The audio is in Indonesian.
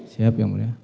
siap ya mulia